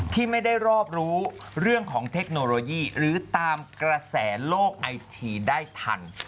ที่ไม่ได้รอบรู้เรื่องของเทคโนโลยีหรือตามกระแสโลกไอทีได้ทัน